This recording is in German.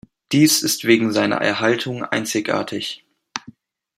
Dies ist wegen seiner Erhaltung einzigartig.